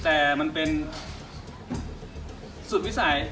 แต่มันเป็นสุดวิสัย